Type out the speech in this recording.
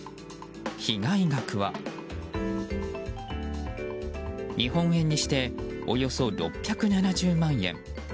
被害額は、日本円にしておよそ６７０万円。